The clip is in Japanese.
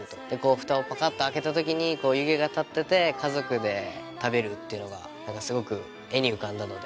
フタをパカっと開けた時に湯気が立ってて家族で食べるっていうのがすごく絵に浮かんだので。